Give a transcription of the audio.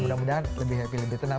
mudah mudahan lebih happy lebih tenang